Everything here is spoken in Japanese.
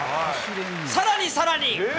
さらにさらに。